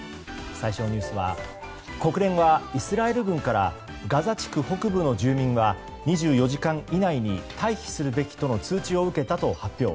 最初のニュースは国連はイスラエル軍からガザ地区北部の住民は２４時間以内に退避するべきとの通知を受けたと発表。